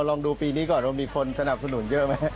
ลองดูปีนี้ก่อนว่ามีคนสนับสนุนเยอะไหม